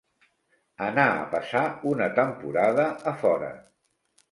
Anar a passar una temporada a fora.